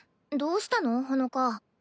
どうしたのほのか？